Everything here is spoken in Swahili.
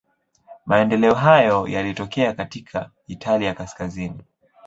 Maendeleo hayo yalitokea katika Italia kaskazini.